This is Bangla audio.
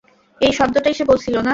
এই শব্দটাই সে বলছিল না?